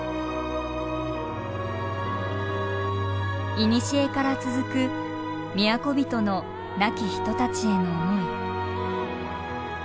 いにしえから続く都人の亡き人たちへの思い。